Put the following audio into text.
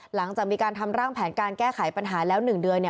หลังจากมีการทำร่างแผนการแก้ไขปัญหาแล้ว๑เดือน